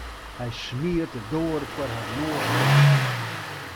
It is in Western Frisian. Hy smiet de doar foar har noas ticht.